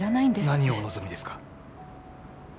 何をお望みですか？